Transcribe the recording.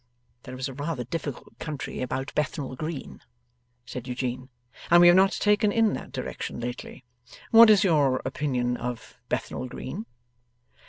'There is a rather difficult country about Bethnal Green,' said Eugene, 'and we have not taken in that direction lately. What is your opinion of Bethnal Green?